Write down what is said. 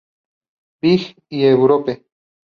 Big, y Europe.